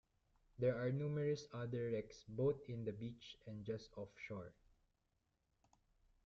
There are numerous other wrecks both in the beach and just off shore.